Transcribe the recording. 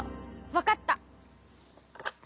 わかった。